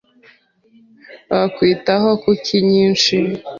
Wakwitaho kuki nyinshi?